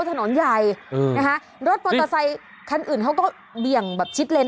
ถนนใหญ่อืมนะคะรถมอเตอร์ไซคันอื่นเขาก็เบี่ยงแบบชิดเลน